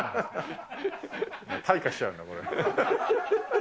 退化しちゃうんだ、これ。